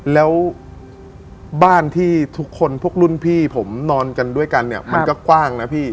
แล้วบ้านที่ทุกคนพวกรุ่นพี่ผมนอนกันด้วยกันเนี่ยมันก็กว้างนะพี่